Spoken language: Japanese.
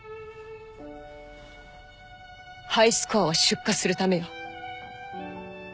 ハイスコアを出荷するためよ。